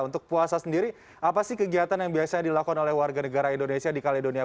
untuk puasa sendiri apa sih kegiatan yang biasanya dilakukan oleh warga negara indonesia di kaledonia